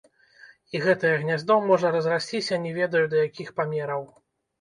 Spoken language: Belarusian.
І гэтае гняздо можа разрасціся не ведаю да якіх памераў.